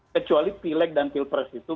kecuali pileg dan pilpres itu